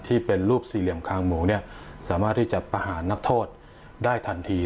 ที่เป็นรูปสี่เหลี่ยมคางหมูเนี่ยสามารถที่จะประหารนักโทษได้ทันที